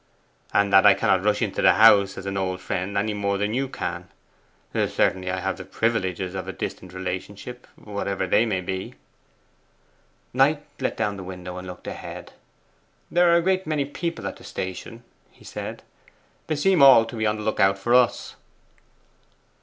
'And that I cannot rush into the house as an old friend any more than you can. Certainly I have the privileges of a distant relationship, whatever they may be.' Knight let down the window, and looked ahead. 'There are a great many people at the station,' he said. 'They seem all to be on the look out for us.